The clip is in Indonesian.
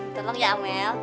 tolong ya mel